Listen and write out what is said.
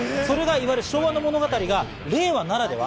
それがいわゆる昭和の物語が令和ならでは。